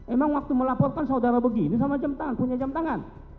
emang waktu melaporkan saudara begini sama jam tangan punya jam tangan